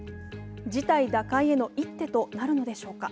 事態打開への一手となるのでしょうか。